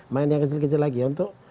main yang kecil kecil lagi untuk